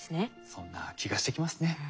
そんな気がしてきますね。